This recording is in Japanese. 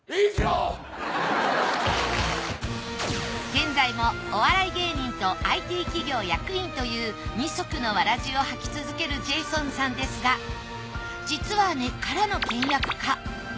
現在もお笑い芸人とＩＴ企業役員という二足のわらじを履き続けるジェイソンさんですが実は根っからの倹約家。